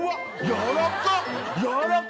やわらか。